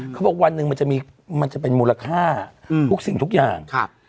เขาบอกวันหนึ่งมันจะมีมันจะเป็นมูลค่าทุกสิ่งทุกอย่าง